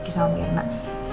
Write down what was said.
bagi sama biar enak